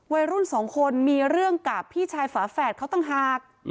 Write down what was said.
วัยรุ่นสองคนมีเรื่องกับพี่ชายฝาแฝดเขาต่างหาก